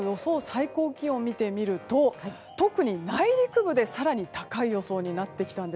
最高気温を見てみると、特に内陸部で更に高い予想になりました。